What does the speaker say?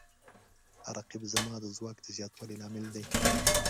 رقیب زما د ځواک د زیاتوالي لامل دی